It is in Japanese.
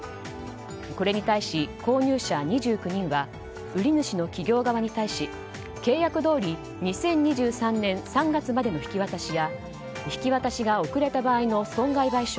これに対し、購入者２９人は売り主の企業側に対し契約どおり２０２３年３月までの引き渡しや引き渡しが遅れた場合の損害賠償